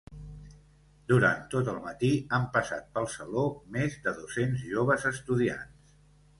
Durant tot el matí han passat pel saló més de dos-cents joves estudiants.